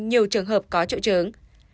nhiều trường hợp có triệu chứng